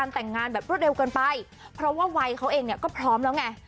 แต่งงานแบบรวดเร็วเกินไปเพราะว่าวัยเขาเองเนี่ยก็พร้อมแล้วไง